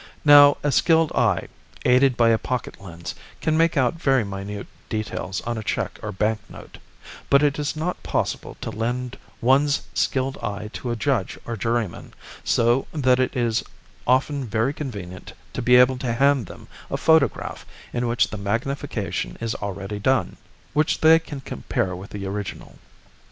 Now a skilled eye, aided by a pocket lens, can make out very minute details on a cheque or bank note; but it is not possible to lend one's skilled eye to a judge or juryman, so that it is often very convenient to be able to hand them a photograph in which the magnification is already done, which they can compare with the original.